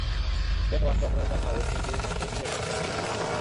Shane Warne কখনোই চাননা West Indies নামটি ক্রিকেট দুনিয়া থেকে মুছে যাক।